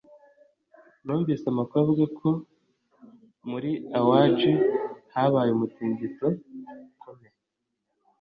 numvise amakuru avuga ko muri awaji habaye umutingito ukomeye